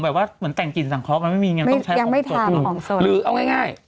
แบบว่าเหมือนแต่งกินสังเคราะห์มันไม่มีเงินยังไม่ทานของส่วนหรือเอาง่ายง่าย